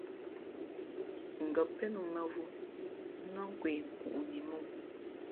Ngα̌ pén ō mα̌vō nά kwe nkuʼni mǒ.